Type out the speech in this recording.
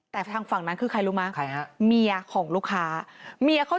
แต่ก็ทางฝั่งนั้นคือมียะของลูกค้า